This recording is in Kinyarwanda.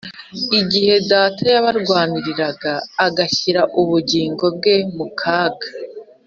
igihe data yabarwaniraga agashyira ubugingo bwe mukaga